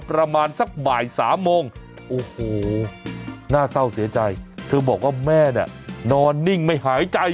ประมาณสักบ่ายสามโมงโอ้โหน่าเศร้าเสียใจเธอบอกว่าแม่เนี่ยนอนนิ่งไม่หายใจ